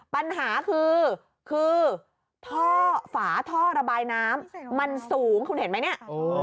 ปัญหาคือคือท่อฝาท่อระบายน้ำมันสูงคุณเห็นไหมเนี่ย